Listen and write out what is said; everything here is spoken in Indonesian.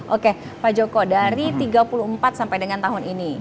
oke pak joko dari tiga puluh empat sampai dengan tahun ini